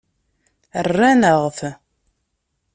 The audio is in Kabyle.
Rran-aɣ-t.